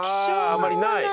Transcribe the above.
あまりない。